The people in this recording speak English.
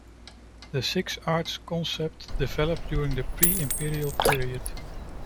The Six Arts concept developed during the pre-imperial period.